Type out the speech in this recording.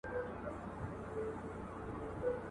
تاسي په دغه غونډې کي برخه واخیسهمېشه.